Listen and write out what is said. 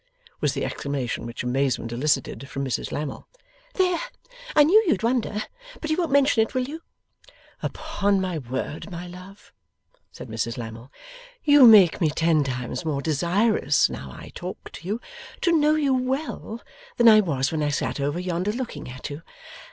was the exclamation which amazement elicited from Mrs Lammle. 'There! I knew you'd wonder. But you won't mention it, will you?' 'Upon my word, my love,' said Mrs Lammle, 'you make me ten times more desirous, now I talk to you, to know you well than I was when I sat over yonder looking at you.